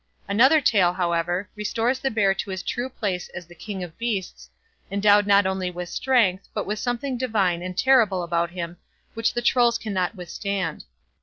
Another tale, however, restores the bear to his true place as the king of beasts, endowed not only with strength, but with something divine and terrible about him which the Trolls cannot withstand.